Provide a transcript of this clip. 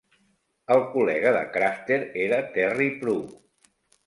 El col·lega de Crafter era Terry Prue.